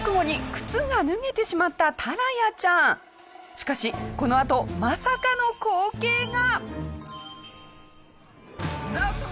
しかしこのあとまさかの光景が。